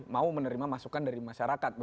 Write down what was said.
mau menerima masukan dari masyarakat